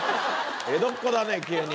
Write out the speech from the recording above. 江戸っ子だね急に。